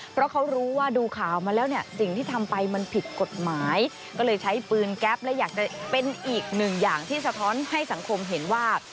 เพราะเขารู้ว่าดูข่าวมาแล้วเนี่ยสิ่งที่ทำไปมันผิดกฎหมายก็เลยใช้ปืนแก๊ปและอยากจะเป็นอีกหนึ่งอย่างที่สะท้อนให้สังคมเห็นว่า